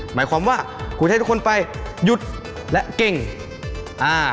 หมายความว่าคุณให้ทุกคนไปหยุดและเก่งอ่า